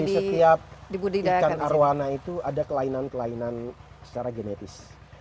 di setiap ikan arowana itu ada kelainan kelainan secara genetis